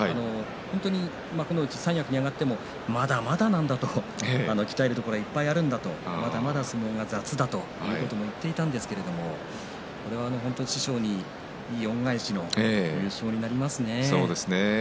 本当に幕内三役に上がってもまだまだだ、鍛えるところはいっぱいある相撲は雑だと言っていたんですけれど本当に非常にいい恩返しの優勝になりますね。